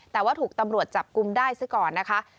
แต่ว่าถูกตำรวจจับกลุ่มได้ซะก่อนนะคะ